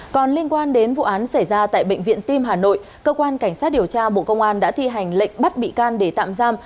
còn liên quan đến vụ án xảy ra tại bệnh viện tim hà nội cơ quan cảnh sát điều tra bộ công an đã thi hành lệnh bắt bị can để tạm giam